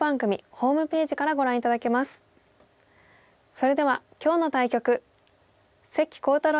それでは今日の対局関航太郎